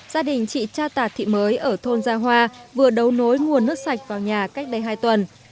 gia đình chị cha tà thị mới ở thôn gia hoa vừa đấu nối nguồn nước sạch vào nhà cách đây hai tuần